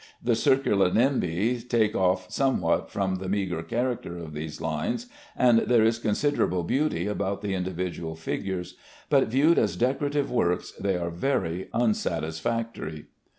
The circular nimbi take off somewhat from the meagre character of these lines, and there is considerable beauty about the individual figures, but viewed as decorative works they are very unsatisfactory.